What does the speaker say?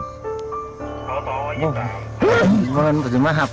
เขาต่อว่ายุโมบันปฏิมภัพธิ์ขอบคุณครับ